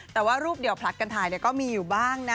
แต่ว่ารูปเดียวผลักกันถ่ายก็มีอยู่บ้างนะ